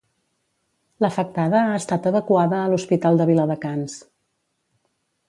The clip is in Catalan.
L'afectada ha estat evacuada a l'Hospital de Viladecans.